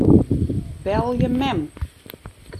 Belje mem.